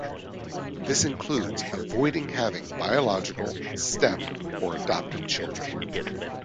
This includes avoiding having biological, step, or adopted children.